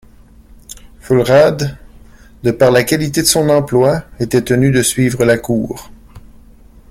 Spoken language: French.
Fulrad de par la qualité de son emploi était tenu de suivre la cour.